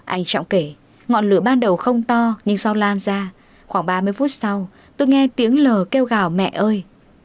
anh trọng kể ngọn lửa ban đầu không to nhưng sau lan ra khoảng ba mươi phút sau tôi nghe tiếng lờ kêu gào mẹ ơi